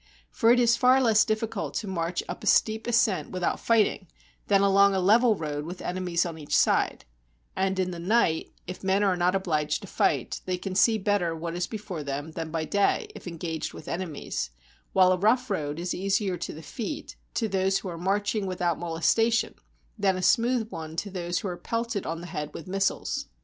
For it is far less difficult to march up a steep ascent without fighting than along a level road with enemies on each side; and, in the night, if men are not obliged to fight, they can see better what is before them than by day if engaged with enemies; while a rough road is easier to the feet to those who are march ing without molestation than a smooth one to those who are pelted on the head with missiles.